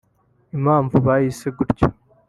Impamvu bahise gutyo